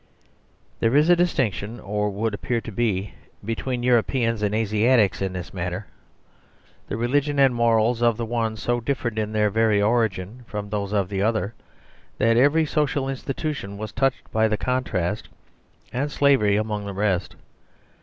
There is a distinction (or would appear to be) be tween Europeans and Asiatics in this matter. The religion and morals of the one so differed in their very origin from those of the other that every social institution was touched by the contrast and Slavery among the rest.